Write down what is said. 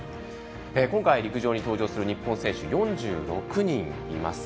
今回、陸上に登場する日本人選手は４６人います。